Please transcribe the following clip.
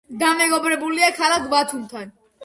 დამეგობრებულია ქალაქ ბათუმთან.